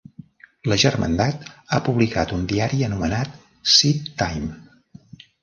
La Germandat ha publicat un diari anomenat "Seed-Time".